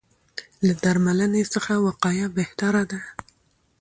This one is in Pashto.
له درملنې څخه وقایه بهتره ده.